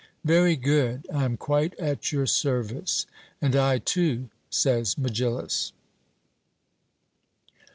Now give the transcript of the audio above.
Very good: I am quite at your service. 'And I too,' says Megillus.